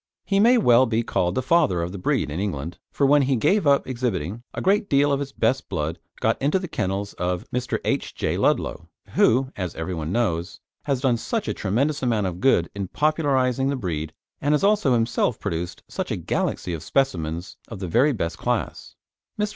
He may well be called the Father of the breed in England, for when he gave up exhibiting, a great deal of his best blood got into the kennels of Mr. H. J. Ludlow, who, as everyone knows, has done such a tremendous amount of good in popularising the breed and has also himself produced such a galaxy of specimens of the very best class. Mr.